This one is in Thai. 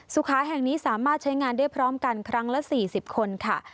สุขาแห่งนี้สามารถใช้งานได้พร้อมกันครั้งละ๔๐คนค่ะ